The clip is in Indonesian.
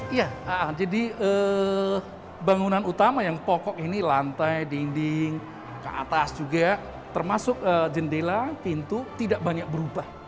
iya jadi bangunan utama yang pokok ini lantai dinding ke atas juga termasuk jendela pintu tidak banyak berubah